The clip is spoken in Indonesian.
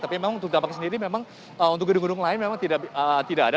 tapi memang untuk dampaknya sendiri memang untuk gedung gedung lain memang tidak ada